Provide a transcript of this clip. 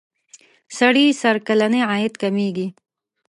سړي سر کلنی عاید کمیږي.